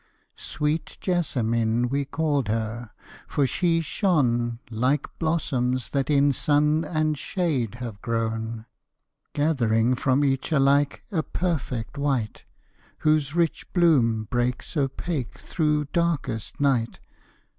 Sweet Jessamine we called her; for she shone Like blossoms that in sun and shade have grown, Gathering from each alike a perfect white, Whose rich bloom breaks opaque through darkest night.